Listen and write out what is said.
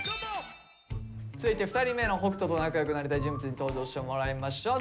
続いて２人目の北斗と仲良くなりたい人物に登場してもらいましょう。